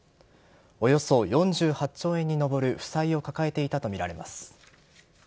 およそ４８兆円に上る負債を抱えていたとみられます。